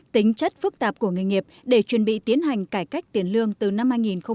tính chất phức tạp của nghề nghiệp để chuẩn bị tiến hành cải cách tiền lương từ năm hai nghìn hai mươi